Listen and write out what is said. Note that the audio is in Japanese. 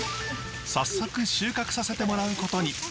早速収穫させてもらうことに。